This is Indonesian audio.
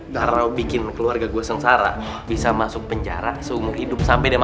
kalau bikin keluarga gue sengsara bisa masuk penjara seumur hidup sampai dia mati